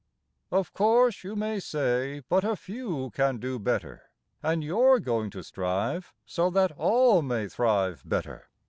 Of course you may say but a few Can do Better; And you're going to strive So that all may thrive Better.